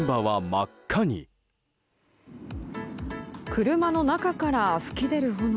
車の中から噴き出る炎。